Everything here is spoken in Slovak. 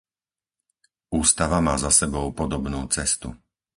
Ústava má za sebou podobnú cestu.